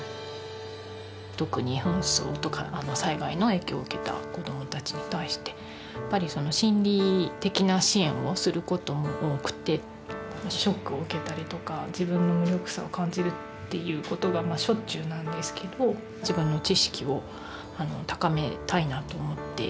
特に紛争とか災害の影響を受けた子どもたちに対してやっぱりその心理的な支援をする事も多くてショックを受けたりとか自分の無力さを感じるっていう事がしょっちゅうなんですけど自分の知識を高めたいなと思って。